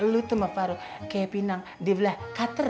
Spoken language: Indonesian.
lo tuh sama faruk kayak pinang di belah kater